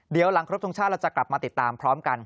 เดี๋ยวหลังครบทรงชาติเราจะกลับมาติดตามพร้อมกัน